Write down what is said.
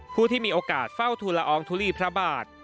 ผู้ที่มีโอกาสเฝ้าทุลอองทุลีพระบาท